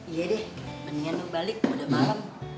iya deh mendingan lo balik udah malem